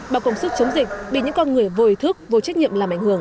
bao công sức chống dịch bị những con người vô ý thức vô trách nhiệm làm ảnh hưởng